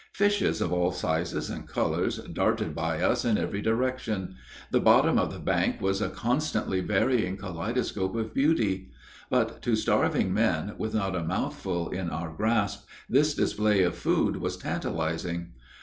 Fishes of all sizes and colors darted by us in every direction. The bottom of the bank was a constantly varying kaleidoscope of beauty. But to starving men, with not a mouthful in our grasp, this display of food was tantalizing.